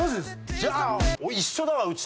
じゃあ一緒だわうちと。